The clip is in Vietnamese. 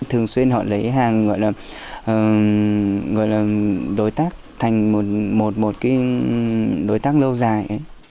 thường xuyên họ lấy hàng gọi là đối tác thành một đối tác lâu dài